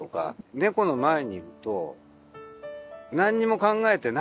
猫の前にいると何にも考えてないっていう。